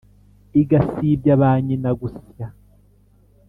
igasibya ba nyina gusya!